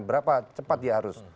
berapa cepat dia harus